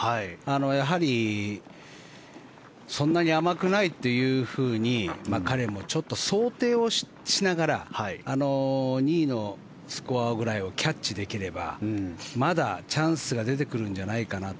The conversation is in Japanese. やはりそんなに甘くないというふうに彼もちょっと、想定をしながら２位のスコアぐらいをキャッチできればまだチャンスが出てくるんじゃないかなと。